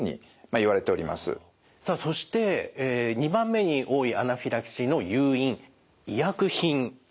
２番目に多いアナフィラキシーの誘因医薬品ですね。